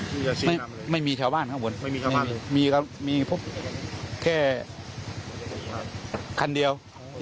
จะชินมาเลยไม่มีแถวบ้านเข้าบนมีมีพวกแค่คันเดียว